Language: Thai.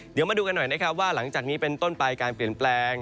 เดี๋ยวมาดูกันหน่อยนะครับว่าหลังจากนี้เป็นต้นไปการเปลี่ยนแปลง